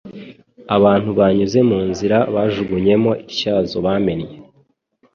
Abantu banyuze mu nzira bajugunyemo ityazo bamennye,